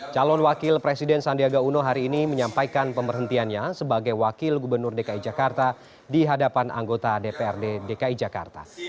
calon wakil presiden sandiaga uno hari ini menyampaikan pemberhentiannya sebagai wakil gubernur dki jakarta di hadapan anggota dprd dki jakarta